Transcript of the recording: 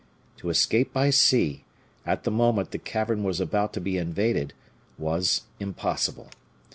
To escape by sea, at the moment the cavern was about to be invaded, was impossible.